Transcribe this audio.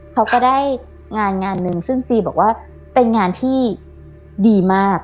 เขาก็ได้งานงานหนึ่งซึ่งจีบอกว่าเป็นงานที่ดีมาก